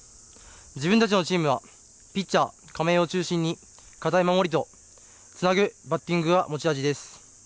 自分たちのチームはピッチャー亀井を中心に堅い守りとつなぐバッティングが持ち味です。